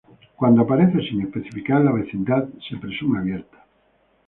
Cuando aparece sin especificar, la vecindad se presume abierta.